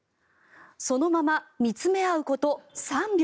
そのまま見つめ合うこと３秒。